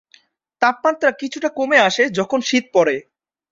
তাপমাত্রা কিছুটা কমে আসে যখন শীত পড়ে।